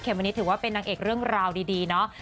วันนี้ถือว่าเป็นนางเอกเรื่องราวดีเนาะ